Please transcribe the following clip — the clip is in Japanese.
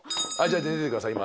じゃあ寝ててください。